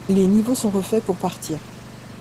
Les niveaux sont refaits pour partir.